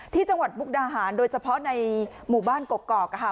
จังหวัดมุกดาหารโดยเฉพาะในหมู่บ้านกกอกค่ะ